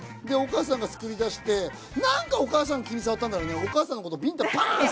でお母さんが作り出してなんかお母さん気に障ったんだろうねお母さんのことビンタバン！